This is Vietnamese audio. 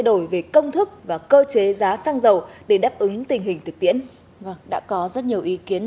đổi về công thức và cơ chế giá xăng dầu để đáp ứng tình hình thực tiễn đã có rất nhiều ý kiến